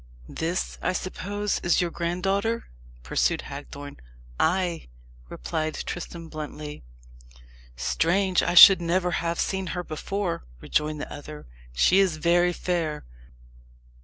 "This, I suppose, is your granddaughter?" pursued Hagthorne. "Ay," replied Tristram bluntly. "Strange I should never have seen her before," rejoined the other. "She is very fair.